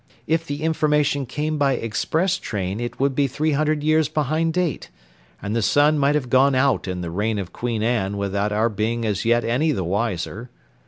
If the information came by express train it would be three hundred years behind date, and the sun might have gone out in the reign of Queen Anne without our being as yet any the wiser.